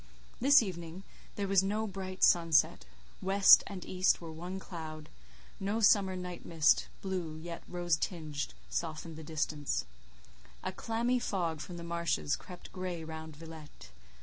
This evening there was no bright sunset: west and east were one cloud; no summer night mist, blue, yet rose tinged, softened the distance; a clammy fog from the marshes crept grey round Villette.